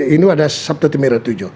ini ada sabtu timir tujuh